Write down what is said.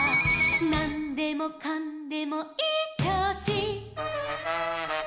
「なんでもかんでもいいちょうし」